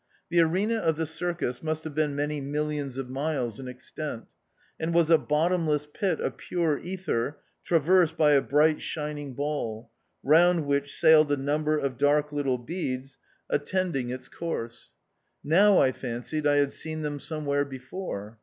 The arena of the circus must have been many millions of miles in extent, and was a bottomless pit of pure ether, traversed by a bright shining ball, round which sailed a number of dark little beads attending its 24 THE OUTCAST course. Now I fancied I had seen them somewhere before.